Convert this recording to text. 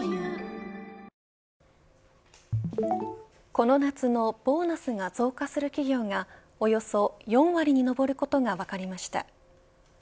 この夏のボーナスが増加する企業がおよそ４割に上ることが分かりました。